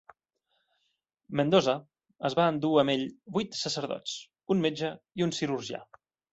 Mendoza es va endur amb ell vuit sacerdots, un metge i un cirurgià.